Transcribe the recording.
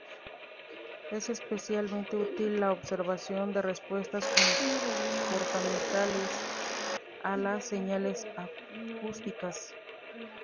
Es especialmente útil la observación de respuestas comportamentales a las señales acústicas.